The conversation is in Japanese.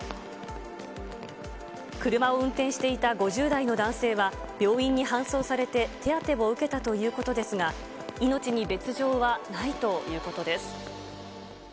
車を運転していた５０代の男性は病院に搬送されて、手当てを受けたということですが、命に別状はないということです。